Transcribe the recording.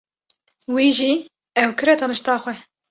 Wî jî ew kire tenişta xwe.